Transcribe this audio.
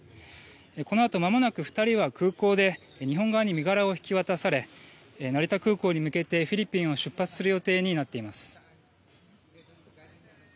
このあとまもなく２人は空港で日本側に身柄を引き渡され、成田空港に向けてフィリピンを出発する予定になっています。